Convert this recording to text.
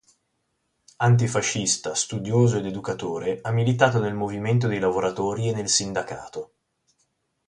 Antifascista, studioso ed educatore ha militato nel movimento dei lavoratori e nel sindacato.